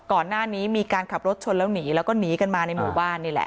ก่อนหน้านี้มีการขับรถชนแล้วหนีแล้วก็หนีกันมาในหมู่บ้านนี่แหละ